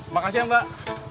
makasih ya mbak